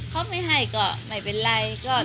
เขาไม่ให้ก็ไม่เป็นไร